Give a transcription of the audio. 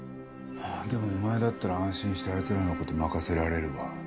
でもお前だったら安心してあいつらの事任せられるわ。